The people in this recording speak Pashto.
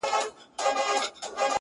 زور لري چي ځان کبابولای سي٫